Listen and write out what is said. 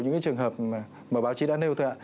những trường hợp mà báo chí đã nêu thôi ạ